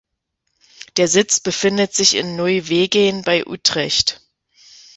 Der Sitz befindet sich in Nieuwegein bei Utrecht.